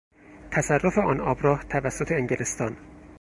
تصرف آن آبراه توسط انگلستان